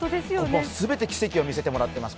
全て奇跡を見せてもらってます。